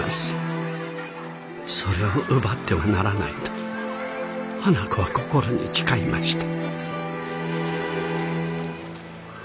それを奪ってはならないと花子は心に誓いました。